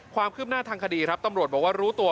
ความคืบหน้าทางคดีครับตำรวจบอกว่ารู้ตัว